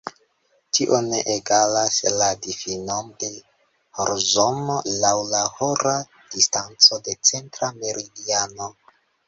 Tio ne egalas la difinon de horzono laŭ la hora distanco de centra meridiano.